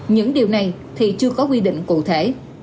những điều này thì chưa có quy định cụ thể